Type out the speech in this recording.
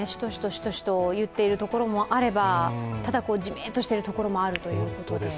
しとしといっているところもあればただ、ジメッとしている所もあるということで。